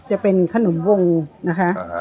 จะเป็นขนมวงนะคะ